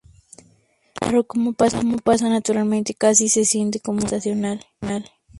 Es raro como pasa naturalmente, casi se siente como una cosa estacional.